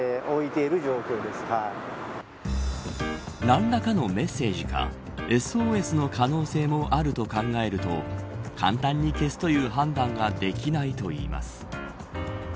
何らかのメッセージかＳＯＳの可能性もあると考えると簡単に消すという判断ができないといいます。